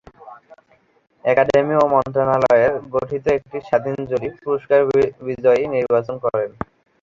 Academy ও মন্ত্রণালয়ের গঠিত একটি স্বাধীন জুরি পুরস্কার বিজয়ী নির্বাচন করেন।